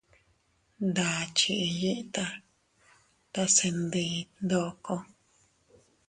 Ndakchi iiyita tase ndiit ndoko.